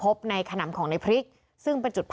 และก็คือว่าถึงแม้วันนี้จะพบรอยเท้าเสียแป้งจริงไหม